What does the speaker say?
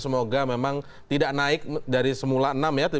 semoga memang tidak naik dari semula enam ya